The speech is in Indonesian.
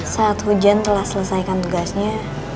saat hujan telah selesaikan tugasnya